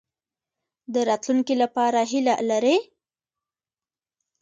د راتلونکي لپاره هیله لرئ؟